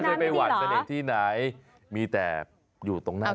ลิ้นพันกันหมดแล้ว